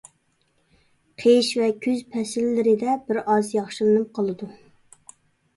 قىش ۋە كۈز پەسىللىرىدە بىر ئاز ياخشىلىنىپ قالىدۇ.